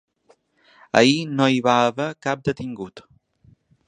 Ahir no hi va haver cap detingut.